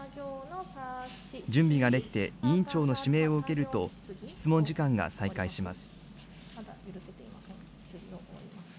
準備ができて、委員長の指名を受けると、質問時間が再開します。